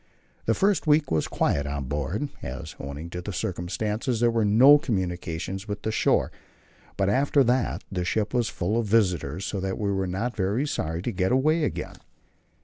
The first week was quiet on board, as, owing to the circumstances, there was no communication with the shore; but after that the ship was full of visitors, so that we were not very sorry to get away again.